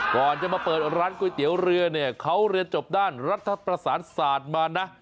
ก่อนจะมาเปิดร้านก๋วยเตี๋ยวเรือเนี่ยเขาเรียนจบด้านรัฐประสานศาสตร์มานะ